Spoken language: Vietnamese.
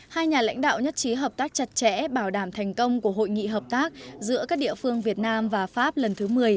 hai nhà lãnh đạo nhất trí hợp tác chặt chẽ bảo đảm thành công của hội nghị hợp tác giữa các địa phương việt nam và pháp lần thứ một mươi